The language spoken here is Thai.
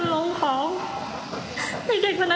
ที่เด็กพนักงานก็นั่งลงของกันเต็มหนูก็ไม่รู้จะทำยังไง